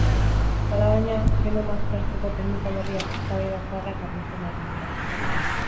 Alabaina, genoma aztertzeko teknika berriak eztabaida zaharrak argitzen ari dira.